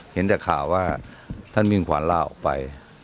เห็นแต่ข่าวว่าท่านมิ่งขวัญลาออกไป